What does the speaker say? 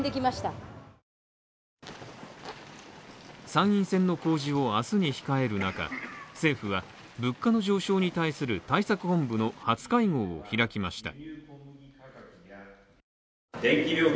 参院選の公示を明日に控える中、政府は物価の上昇に対する対策本部の初会合を開きました。